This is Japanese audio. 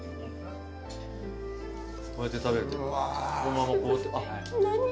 こうやって食べると。